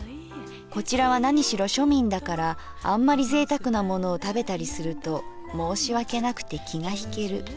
こちらは何しろ庶民だからあんまりぜいたくなものを食べたりすると申し訳なくて気がひける。